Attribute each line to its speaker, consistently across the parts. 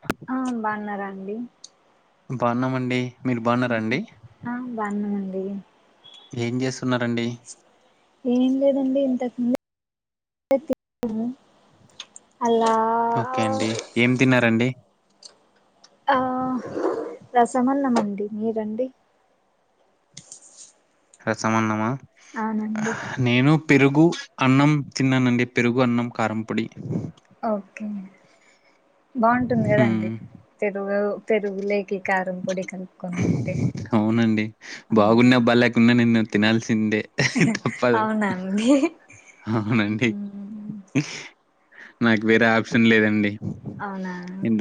Speaker 1: అ
Speaker 2: ఆ బాగున్నారా అండి
Speaker 1: బావున్నమండి
Speaker 2: ఆ బాగున్నమండి
Speaker 1: ఏం చేస్తున్నారండి
Speaker 2: ఏం లేదండి ఇంతకు ముందే తిన్నను అలా
Speaker 1: ఓకే అండి ఏం తిన్నారండి
Speaker 2: ఆ రసమన్నమండి మీరండి
Speaker 1: రసమన్నమా
Speaker 2: అవునండి
Speaker 1: నేను పెరుగు అన్నం తిన్నానండి పెరుగు అన్నం కారంపొడి
Speaker 2: ఓకే బాగుంటుంది కదండి
Speaker 1: హ్మ్.
Speaker 2: పెరుగు పెరుగుల కి కారం పొడి కలుపుకొని తింటే ఆ
Speaker 1: ఉన్న నేను తినాల్సిందే తప్పదు
Speaker 2: అవునా అండి
Speaker 1: అవునండి
Speaker 2: మ్మ్
Speaker 1: నాకు వేరే ఆప్షన్ లేదండి
Speaker 2: అవునా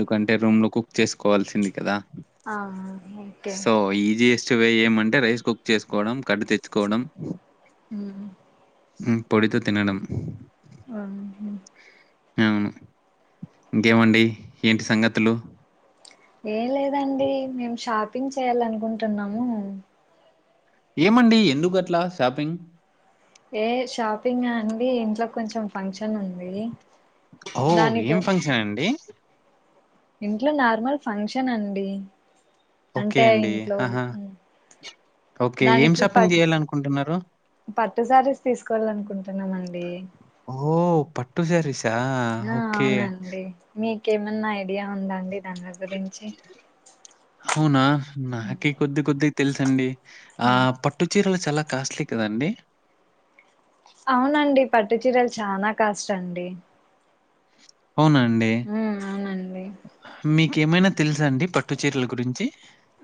Speaker 1: కంటే రూమ్లో కుక్ చేస్కోవాల్సింది కదా
Speaker 2: ఆహా
Speaker 1: సో ఈజియెస్ట్ వే ఏమంటే రైస్ కుక్ చేసుకోవడం కట్టు తె చేస్కోవడం
Speaker 2: మ్మ్
Speaker 1: పొడితో తినడం
Speaker 2: ఆ
Speaker 1: అవును ఇంకేమండి ఏంటి సంగతులు
Speaker 2: ఏం లేదండి మేము షాపింగ్ చేయాలనుకుంటున్నాము
Speaker 1: ఏమండి ఎందుకు అట్లా షాపింగ్
Speaker 2: ఏ షాపింగా అండి ఇంట్లో కొంచెం ఫంక్షన్ ఉంది
Speaker 1: ఔ
Speaker 2: దానికి
Speaker 1: ఏం ఫంక్షన్ అండి
Speaker 2: ఇంట్లో నార్మల్ ఫంక్షన్ అండి
Speaker 1: ఓకే
Speaker 2: అంటే
Speaker 1: అండి.
Speaker 2: ఇంట్లో
Speaker 1: ఆహా! ఓకే ఏం
Speaker 2: దానికి
Speaker 1: షాపింగ్
Speaker 2: పట్
Speaker 1: చేయాలనుకుంటున్నారు
Speaker 2: పట్టు సారీస్ తీసుకోవాలనుకుంటున్నానండి
Speaker 1: ఓ పట్టు సారిసా
Speaker 2: ఆ
Speaker 1: ఓకే
Speaker 2: అవునండి మీకేమన్నా ఐడియా ఉందా అండి దాని గురించి
Speaker 1: అవునా
Speaker 2: ఉమ్,
Speaker 1: నాకి కొద్ది కొద్దిగ తెలుసండి ఆ
Speaker 2: ఉమ్.
Speaker 1: ప ట్టు చీరలు చాలా కాస్ట్లీ కదండి
Speaker 2: అవునండి పట్టు చీరలు చానా కాస్ట్ అండి
Speaker 1: అవునా అండి
Speaker 2: ఉమ్, అవునండి
Speaker 1: మీకు ఏమైనా తెలుసా అండి పట్టు చీరల గురించి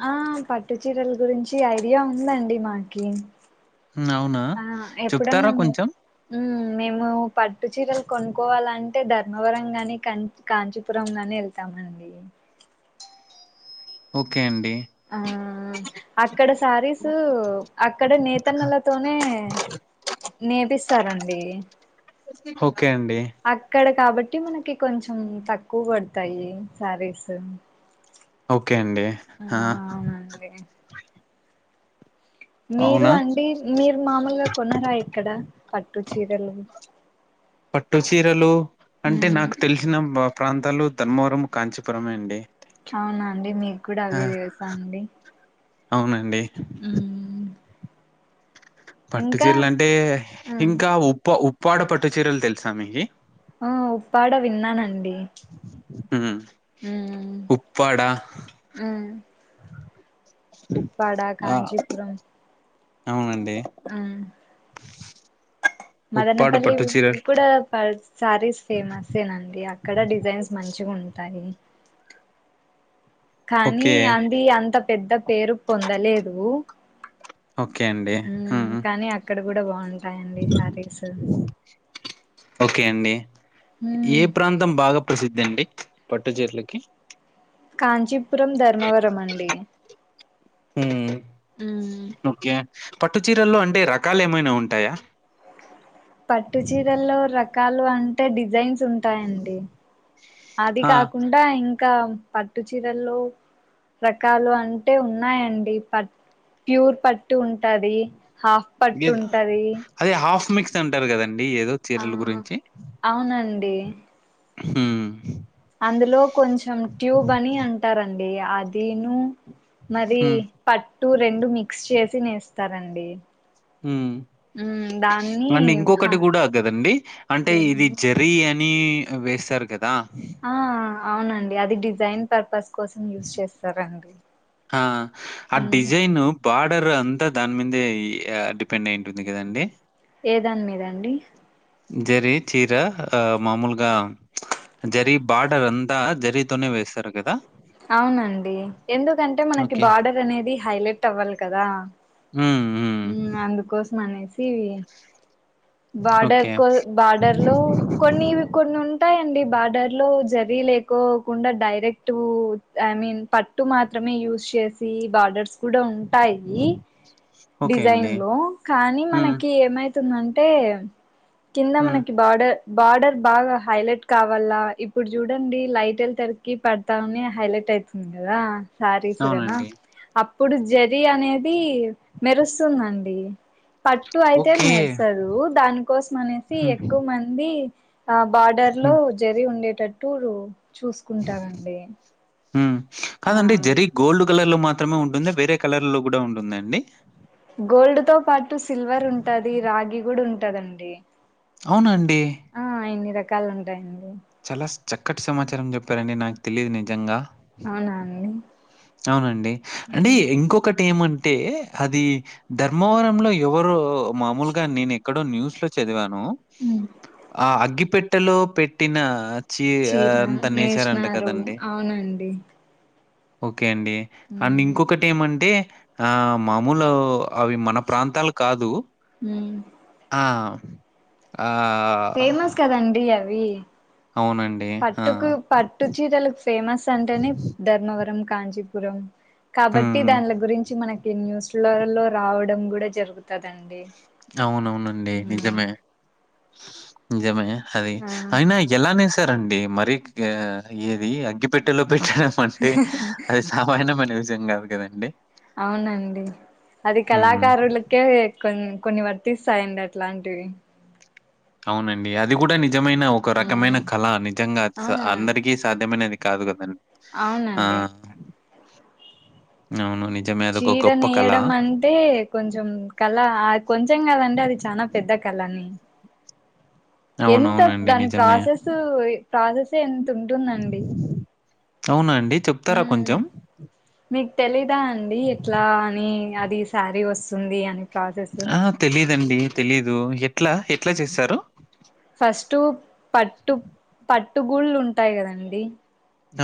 Speaker 2: ఆ పట్టు చీరల గురించి ఐడియా ఉందండి మాకి
Speaker 1: అవునా చెప్తారా కొంచెం
Speaker 2: ఊమ్ మేము పట్టు చీరలు కొనుక్కోవాలంటే ధర్మవరం కానీ కం కాంచీపురం గాని ఎళ్తామండి
Speaker 1: ఓకే అండి
Speaker 2: ఆ అక్కడ సారీసు అక్కడ నేతన్నలతోనే నేపిస్తారండి
Speaker 1: ఓకే అండి
Speaker 2: అక్కడ కాబట్టి మనకి కొంచెం తక్కువ పడతాయి శారీస్
Speaker 1: ఓకే అండి ఆ
Speaker 2: మీరు
Speaker 1: అవునా?
Speaker 2: అండి మీరు మామూలుగా కొనరా ఇక్కడ పట్టు చీరలు
Speaker 1: పట్టు చీరలు అంటే
Speaker 2: మ్మ్
Speaker 1: నాకు తెలిసిన ప్రాంతాలు ధర్మవరం కాంచీపురమే అండి
Speaker 2: అవునా అండి మీకు కూడా
Speaker 1: ఆ
Speaker 2: అవే తెలుసా అండి
Speaker 1: అవునండి
Speaker 2: మ్మ్
Speaker 1: పట్టు
Speaker 2: ఇంకా
Speaker 1: చీరలు అంటే ఇంకా ఉప్ప ఉప్పాడ పట్టు చీరలు తెలుసా మీకి
Speaker 2: ఆ ఉప్పాడ విన్నానండి
Speaker 1: హ ఉప్పాడ
Speaker 2: హమ్ ఉప్పాడ
Speaker 1: ఆ
Speaker 2: కాంచీపురం
Speaker 1: అవునండి
Speaker 2: ఆ
Speaker 1: ఉప్పాడ
Speaker 2: మదనపల్లి
Speaker 1: పట్టు చీరలు
Speaker 2: కూడా శారీస్ ఫేమసే అండి అక్కడ డిజైన్స్ మంచిగా ఉంటాయి కానీ
Speaker 1: ఓకే
Speaker 2: అది అంత పెద్ద పేరు పొందలేదు
Speaker 1: ఓకే అండి
Speaker 2: ఆ
Speaker 1: హ్మ్.
Speaker 2: కానీ అక్కడ కూడా బాగుంటాయండి సారీస్
Speaker 1: ఓకే అండి ఏ ప్రాంతం బాగా ప్రసిద్ధి అండి పట్టు చీర్లకి
Speaker 2: కాంచీపురం ధర్మవరం అండి
Speaker 1: హ్మ్. పట్టు చీరల్లో అంటే రకాలు ఏమైనా ఉంటాయా
Speaker 2: పట్టు చీరల్లో రకాలు అంటే డిజైన్స్ ఉంటాయండి అది
Speaker 1: ఆ!
Speaker 2: కాకుండా కూడా ఇంకా పట్టు చీరల్లో రకాలు అంటే ఉన్నాయండి పట్ ప్యూర్ పట్టు ఉంటాది హాఫ్ పట్టు
Speaker 1: ఏదో
Speaker 2: ఉంటది
Speaker 1: అదే హాఫ్ మిక్స్ అంటారు కదండి ఏదో
Speaker 2: ఆ
Speaker 1: చీరల గురించి
Speaker 2: అవునండి
Speaker 1: హూం
Speaker 2: అందులో కొంచెం ట్యూబ్ అని అంటారండి అదినూ మరీ
Speaker 1: హ్మ్.
Speaker 2: పట్టు రెండు మిక్స్ చేసి నేస్తారండి
Speaker 1: మ్
Speaker 2: ఉమ్ దాన్ని
Speaker 1: అండి
Speaker 2: హ
Speaker 1: ఇంకొకటి కూడా కదండి అంటే ఇది
Speaker 2: ఏదండి
Speaker 1: జర్ ర్రీ అని వేస్తారు కదా
Speaker 2: ఆ అవునండి అది డిజైన్ పర్పస్ కోసం యూస్ చేస్తారండి మ్
Speaker 1: బాడర్ అంతా దాని మీదే డిపెండ్ అయింటుంది కదండి
Speaker 2: ఏ దాని మీద అండి
Speaker 1: జరి చీరా ఆ మామూలుగా జర్రీ బాడర్ అంతా జరీతోనే వేస్తారు కదా
Speaker 2: అవునండి ఎందుకంటే మనకి
Speaker 1: ఓకే.
Speaker 2: బార్డర్ అనేది హైలైట్ అవ్వాలి కదా
Speaker 1: మ్ మ్
Speaker 2: మ్ అందుకోసం అనేసి ఇవి బార్డర్
Speaker 1: ఓకే.
Speaker 2: కో బార్డర్ లో కొన్ని కొన్ని ఉంటాయండి బార్డర్ లో జరీ లేకోకుండా డైరెక్ట్ ఐ మీన్ పట్టు మాత్రమే యూస్ చేసి బార్డర్స్ కూడా ఉంటాయి
Speaker 1: ఓకే
Speaker 2: డిజైన్
Speaker 1: అండి.
Speaker 2: లో కానీ
Speaker 1: హ్మ్.
Speaker 2: మనకి ఏమైతుందంటే కింద
Speaker 1: హ్మ్.
Speaker 2: మనకి బోర్డర్ బార్డర్ బాగా హైలైట్ కావాల, ఇప్పుడు చూడండి లైట్లు తెరకి ప డతనే హైలైట్ అయితుంది కదా. శారీస్ కనా
Speaker 1: అవునండి.
Speaker 2: అప్పుడు జరీ అనేది మెరుస్తుందండి. పట్టు అయితే
Speaker 1: ఓకే.
Speaker 2: మెరసదు, దానికోసం అనేసి
Speaker 1: హ్మ్.
Speaker 2: ఎక్కువమంది ఆ బార్డర్ లో
Speaker 1: హ్మ్.
Speaker 2: జరీ ఉండేటట్టు చూసుకుంటారండి.
Speaker 1: మ్
Speaker 2: ఆ
Speaker 1: కాదండి జరీ గోల్డ్ కలర్ లో మాత్రమే ఉంటుంది వేరే కలర్ లో కూడా ఉంటుందండి.
Speaker 2: గోల్డ్ తో పాటు సిల్వర్ ఉంటది, రాగి కూడా ఉంటదండి.
Speaker 1: అవునాండీ
Speaker 2: ఆ ఇన్ని రకాలు ఉంటాయండి.
Speaker 1: చాలా చక్కటి సమాచారం చెప్పారండి నాకు తెలియదు నిజంగా.
Speaker 2: అవునా అండి
Speaker 1: అవునండి అంటే
Speaker 2: ఉమ్
Speaker 1: ఇంకొకటి ఏమంటే అది ధర్మవరం లో ఎవరో మామూలుగా నేను ఎక్కడో న్యూస్ లో చదివాను
Speaker 2: ఉ
Speaker 1: ఆ అగ్గిపెట్టలో పెట్టిన చీ
Speaker 2: చీర
Speaker 1: అంతా నేశారంట
Speaker 2: నేసినారు
Speaker 1: కదండి.
Speaker 2: అవునండి
Speaker 1: ఓకే అండి అండ్
Speaker 2: ఉమ్
Speaker 1: ఇంకొకటి ఏమంటే ఆ మామూలు అవి మన ప్రాంతాలు కాదు
Speaker 2: మ్మ్
Speaker 1: ఆ ఆ
Speaker 2: ఫేమస్ కదండి అవి,
Speaker 1: అవునండి. ఆ!
Speaker 2: పట్టుకు పట్టుచీరలు ఫేమస్ అంటేనే ధర్మవరం, కాంచీపురం కాబట్టి
Speaker 1: హ్మ్.
Speaker 2: దానిల గురించి మనకు ఈ న్యూస్లలో రావడం కూడా జరుగుతదండి.
Speaker 1: అవునవునండి నిజమే, నిజమే అది
Speaker 2: ఆ
Speaker 1: అయినా ఎలా నేసారండి మరి ఏది అగ్గిపెట్టెలో పెట్టడం అంటే అది సామాన్యమైన విజయం కాదు కదండి
Speaker 2: అవునండి, అది
Speaker 1: హ్మ్.
Speaker 2: కళాకారుల కే కొ కొన్ని వర్తిస్తాయండి అలాంటివి.
Speaker 1: అవునండి అది కూడా నిజమైన
Speaker 2: ఉమ్
Speaker 1: ఒకరకమైన కళ నిజంగా
Speaker 2: ఆ
Speaker 1: అందరికీ సాధ్యమైనది కాదు కదండీ ఆ
Speaker 2: అవునండి
Speaker 1: అవును ని జమే అది ఒక
Speaker 2: చీర
Speaker 1: గొప్ప కళ
Speaker 2: నేయడం అంటే కొంచెం కళ కొంచెం కాదండీ, అది చాలా పెద్ద కళని ఎంత
Speaker 1: అవునవునండి.
Speaker 2: దాని
Speaker 1: నిజమే.
Speaker 2: ప్రాసెస్, ప్రాసెసే ఎంత ఉంటుందండి.
Speaker 1: అవునాండి, చెప్తారా
Speaker 2: మ్మ్
Speaker 1: కొంచెం
Speaker 2: మీకు తెలీదా అండి, ఎట్లా అని అది శారీ వస్తుంది అని ప్రాసెస్
Speaker 1: ఆ! తెలీదండి తెలీదు, ఎట్లా ఎట్లా చేస్తారు?
Speaker 2: ఫస్ట్ పట్టు పట్టుగూళ్ళు ఉంటాయి కదండి.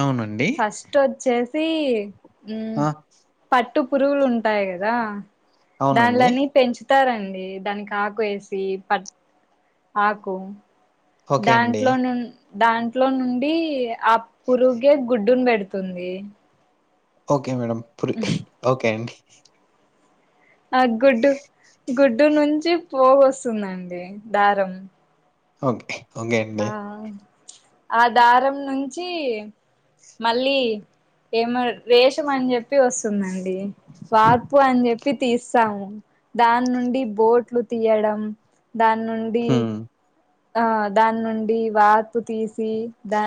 Speaker 1: అవునండి
Speaker 2: ఫస్ట్ వచ్చేసి
Speaker 1: ఆ!
Speaker 2: పట్టుపురుగులు ఉంటాయి కదా
Speaker 1: అవునండి.
Speaker 2: దాన్లని పెంచు తారండి దానికి ఆకు వేసి ప ఆకు
Speaker 1: ఓకే అండి.
Speaker 2: దాంట్లో నుం దాంట్లో నుండి ఆ పురుగే గుడ్డును పెడుత తుంది.
Speaker 1: ఓకే మేడం పులి ఓకే అండి
Speaker 2: ఆ గుడ్డు గుడ్డు నుంచి పోగు వస్తుందండి దారం
Speaker 1: ఓకే ఓకే అండి.
Speaker 2: ఆ ఆ దారం నుంచి మళ్ళీ ఏమో రేషం అని చెప్పి వస్తుందండి వార్పు అని చెప్పి తీస్తాము దాని నుండి బోట్లు తీయడం దాని నుండి
Speaker 1: హ్మ్.
Speaker 2: ఆ దాని నుండి వార్పు తీసి దా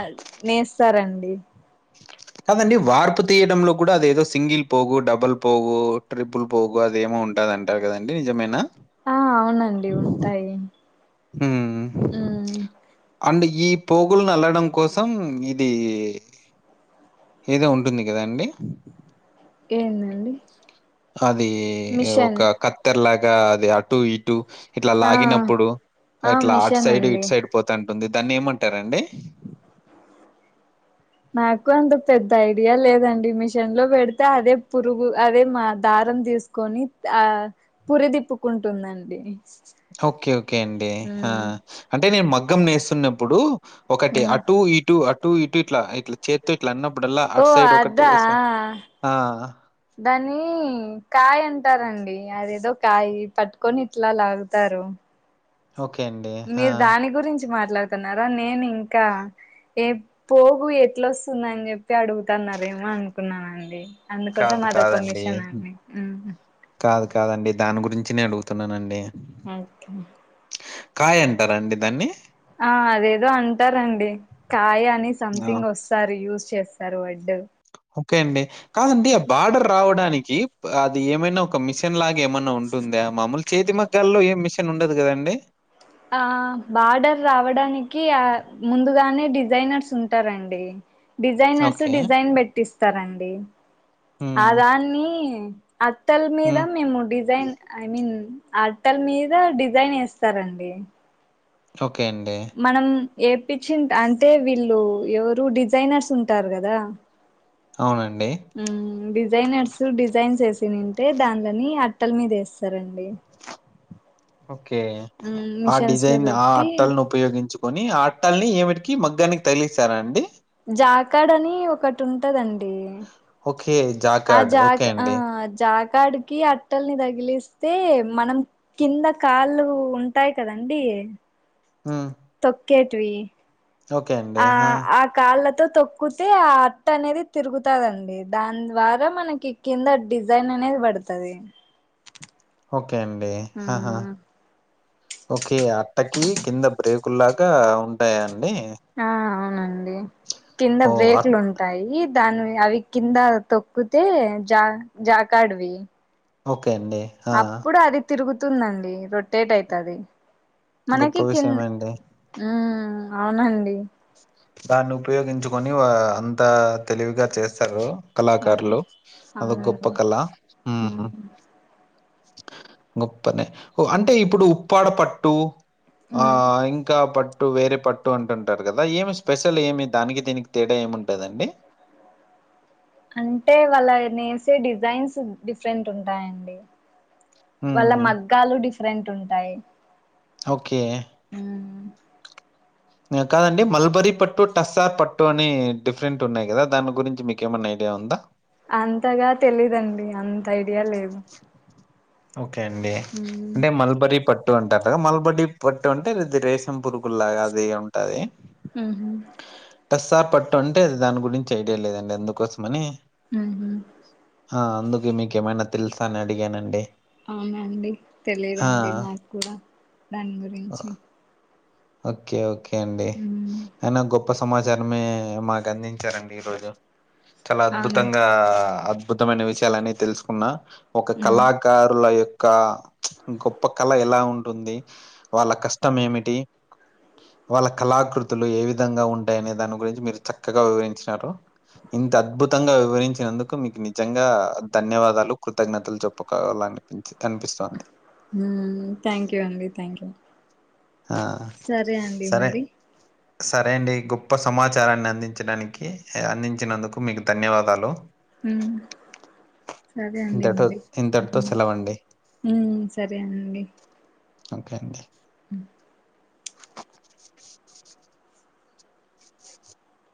Speaker 2: నేస్తారండి
Speaker 1: కాదండి వార్పు తీయడంలో కూడా అదేదో సింగిల్ పోగు డబుల్ పోగు ట్రిపుల్ పోగు అదేమో ఉంటాదంట కదండి నిజమేనా
Speaker 2: ఆ అవునండి ఉంటాయి ఉమ్
Speaker 1: అండి ఈ పోగులను అల్లడం కోసం ఇది ఏదో ఉంటుంది గదా అండి
Speaker 2: ఏదండి
Speaker 1: అది ఒక కత్తెర లాగా అది అటు ఇటు ఇట్లా
Speaker 2: ఆ
Speaker 1: లాగినప్పుడు
Speaker 2: ఆ
Speaker 1: ఇట్లా అటు
Speaker 2: మిషన్
Speaker 1: సైడ్
Speaker 2: అండి
Speaker 1: ఇటు సైడ్ పోత ఉంటుంది దాన్ని ఏమంటారండి
Speaker 2: నాకు అంత పెద్ద ఐడియా లేదండి మిషన్ లో పెడితే అదే పురుగు అదే మా దారం దీస్ కొని ఆ పురిదిప్పుకుంటుందండి
Speaker 1: ఓకే ఓకే అండి ఆ
Speaker 2: ఉమ్
Speaker 1: అంటే నేను మగ్గం నేస్తున్నప్పుడు ఒకటి
Speaker 2: ఉమ్
Speaker 1: అటు ఇటు అటు ఇటు ఇట్లా ఇట్లా చేత్తో ఇట్ల అన్న ప్పుడలా
Speaker 2: ఓ
Speaker 1: అట్ సైడ్ ఒకటి యేసా
Speaker 2: దాని కాయ్ అంటారండి అదేదో కాయ పట్టుకొని ఇట్లా లాగుతారు
Speaker 1: ఓకే అండి ఆ!
Speaker 2: మీరు దాని గురించి మాట్లాడ్ తున్నారా నేను ఇంకా ఏ పోగు ఎట్లొస్తుందని చెప్పి అడుగుతున్నారేమో అనుకున్నానండి అందుకోసం
Speaker 1: కాదు
Speaker 2: అది ఒక
Speaker 1: కాదండి.
Speaker 2: మిషన్
Speaker 1: హ్మ్.
Speaker 2: అండి
Speaker 1: కాదు కాదండి దాని గురించి నేను అడుగుతున్నానండి
Speaker 2: ఓకే
Speaker 1: కాయ్ అంటారండి దాన్ని
Speaker 2: ఆ అదేదో అంటారండి కాయ అని
Speaker 1: ఆ!
Speaker 2: సంథింగ్ వస్ సారి యూజ్ చేస్తారు వడ్
Speaker 1: ఓకే అండి కాదండి ఆ బార్డర్ రావడానికి అది ఏమైనా ఒ ఒక మిషన్ లాగా ఏమన్నా ఉంటుందా మామూలు చేతి మగ్గాల్లో ఏం మిషన్ ఉండదు గదండి
Speaker 2: ఆ బార్డర్ రావడానికి ఆ ముందుగానే డిజైనర్స్ ఉంటారండి డిజైనర్స్
Speaker 1: ఓకే.
Speaker 2: డిజైన్ పెట్టిస్తారండి ఆ
Speaker 1: హ్మ్.
Speaker 2: దాన్ని అట్టల మీద
Speaker 1: హ్మ్.
Speaker 2: మేము డిజైన్ ఐ మీన్ అట్టల మీద డిజైన్ యేస్తారండి
Speaker 1: ఓకే అండి
Speaker 2: మనం ఏపిచ్చి అంటే వీళ్ళు ఎవరు డిజైనర్స్ ఉంటారు గదా
Speaker 1: అవునండి
Speaker 2: ఉమ్ డిజైనర్స్ డిజైన్స్ యేసినింటే దానిలని అట్టల మీద యేస్తరండి
Speaker 1: ఓకే ఆ
Speaker 2: మిషన్స్ లో
Speaker 1: డిజైన్ ఆ
Speaker 2: పెట్టి
Speaker 1: అట్టల్ ను ఉపయోగించుకొని ఆ అట్టల్ని ఏమిటికి మగ్గానికి తగిలిస్తారా అండి
Speaker 2: జాకాడ అని ఒకటి ఉంటదండి
Speaker 1: ఓకే
Speaker 2: ఆ
Speaker 1: జాకార్డ్ ఓకే
Speaker 2: జాక్ ఆ
Speaker 1: అండి
Speaker 2: జాక్ కాడికి అట్టల్ని తగిలిస్తే మనం కింద కాళ్ళు ఉంటాయి కదండి
Speaker 1: ఊ
Speaker 2: తొక్కేటివి ఆ ఆ కాళ్ళతో తొక్కుతే ఆ అట్ట అనేది తిరుగుతాది అండి దాని ద్వారా మనకి కింద డిజైన్ అనేది పడుతాది
Speaker 1: ఓకే అండి హాహా
Speaker 2: మ్మ్
Speaker 1: ఓకే ఆ అట్టకి కింద బ్రేకుల్లాగా ఉంటాయా అండి
Speaker 2: ఆ అవునండి కింద
Speaker 1: ఓహ్! అట్
Speaker 2: బ్రేక్లు ఉన్ టాయి దాని అవి కింద తొక్కుతే జా జాకాడ్ వి
Speaker 1: ఓకే అండి ఆ!
Speaker 2: అప్పుడు అది తిరుగుతుందండి రొటేట్ అయితాది
Speaker 1: గొప్ప
Speaker 2: మనకి కిన్
Speaker 1: విషయమే అండి.
Speaker 2: ఊ అవునండి
Speaker 1: దాన్ని ఉపయోగించుకొని వా అంతా తెలివిగా చేస్తారు
Speaker 2: అవును
Speaker 1: కళాకారులు అదొక గొప్ప
Speaker 2: అవునండి
Speaker 1: కళ ఉమ్
Speaker 2: మ్మ్
Speaker 1: గొప్పనే ఓ అంటే ఇప్పుడు ఉప్పాడ పట్టు ఆ
Speaker 2: మ్మ్
Speaker 1: ఇంకా పట్టు వేరే పట్టు అంటుం టారు కదా ఏమి స్పెషల్ ఏమి దానికి దీనికి తేడా ఏముంటదండి
Speaker 2: అంటే వాళ్ళ నేసే డిజైన్స్ డిఫరెంట్ ఉంటాయండి వాళ్ళ
Speaker 1: హ్మ్.
Speaker 2: మగ్గాలు డిఫరెంట్ ఉంటాయి
Speaker 1: ఓకే
Speaker 2: ఊ
Speaker 1: ఏ కాదండి మల్బరి పట్టు టస్సార్ పట్టు అని డిఫరెంట్ ఉన్నాయి కదా దాని గురించి మీకేమన్నా ఐడియా ఉందా
Speaker 2: అంతగా తెలీదండి అంత ఐడియా లేదు
Speaker 1: ఓకే అండి అంటే మల్బరి ప ట్టు అంటారు కదా మల్బడి పట్టు అంటే ఇది రేసం పురుగుల్లాగా అది ఉంటది
Speaker 2: ఊహూ
Speaker 1: టస్సార్ పట్టు అంటే దాని గురించి ఐడియా లేదండి అందుకోసం అని హా అందుకే మీకు ఏమైనా తెలుసా అని అడిగానండి
Speaker 2: అవునా అండి
Speaker 1: ఆ!
Speaker 2: తెలియదండి నాకు కూడా దాని గురించి
Speaker 1: ఓకే ఓకే అండి
Speaker 2: మ్మ్
Speaker 1: అయినా గొ ప్ప సమాచారమే మాకు అందించారండి ఈరోజు చాలా
Speaker 2: అవునా
Speaker 1: అద్భుతంగా అద్ ద్భుతమైన విషయాలు అన్నీ తెలుసుకున్నా ఒక
Speaker 2: మ్మ్
Speaker 1: కళా కారుల యొక్క గొప్ప కళ ఎలా ఉంటుంది వాళ్ళ కష్టం ఏమిటి వాళ్ళ కళాకృతులు ఏ విధంగా ఉంటాయనే దాని గురించి మీరు చక్కగా వివరించినారు ఇంత అద్భుతంగా వివరించినందుకు మీకు నిజంగా ధన్యవాదాలు కృతజ్ఞతలు చె ప్పుకోవాలి అనిపించి అనిపిస్తోంది
Speaker 2: ఉమ్ థ్యాంక్ యూ అండి థ్యాంక్ యూ
Speaker 1: ఆ
Speaker 2: సరే అండి
Speaker 1: సరే
Speaker 2: మరి
Speaker 1: సరే అండి గొప్ప సమాచారాన్ని అందించడానికి అందించినందుకు మీకు ధన్యవాదాలు
Speaker 2: ఊ సరే అండి
Speaker 1: ఇంతటితో
Speaker 2: మరి ఊ
Speaker 1: ఇంతటితో సెలవండి
Speaker 2: ఊ సరే అండి
Speaker 1: ఓకే అండి
Speaker 2: ఉ